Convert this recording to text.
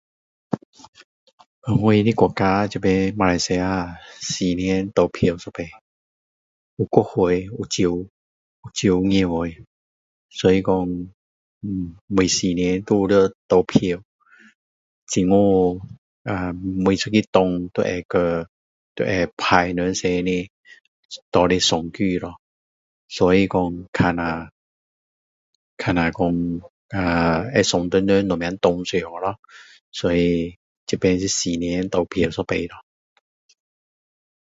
我的国家这边马来西亚四年投票一次有国会有州有州议会所以说每什么都要投票政府每一个党都要都会叫都会派人出来拿来给人选举咯所以说看下看下会选谁上去咯所以说这里是四年投票一次咯